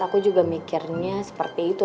aku juga mikirnya seperti itu